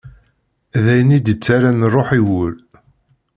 D ayen i d-ittarran rruḥ i wul.